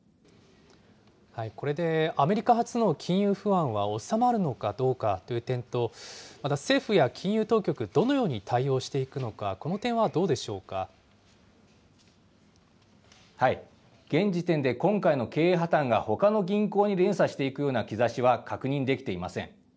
これでアメリカ発の金融不安は収まるのかどうかという点と、また政府や金融当局、どのように対応していくのか、この点はどう現時点で今回の経営破綻が、ほかの銀行に連鎖していくような兆しは確認できていません。